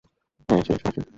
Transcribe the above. হ্যাঁ, শেষ, মাসি।